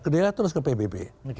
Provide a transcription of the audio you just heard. dia terus ke pbb